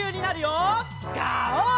ガオー！